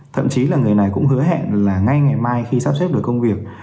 thậm chí là người này cũng hứa hẹn là ngay ngày mai khi sắp xếp được công việc